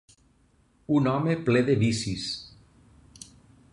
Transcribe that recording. Un home ple de vicis.